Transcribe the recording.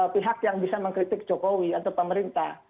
pihak yang bisa mengkritik jokowi atau pemerintah